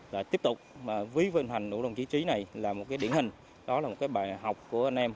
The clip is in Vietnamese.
và tiếp tục ví vệ hành nội đồng chí trí này là một cái điển hình đó là một cái bài học của anh em